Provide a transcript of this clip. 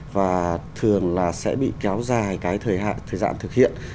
và thường là sẽ bị kéo dài cái thời gian thực hiện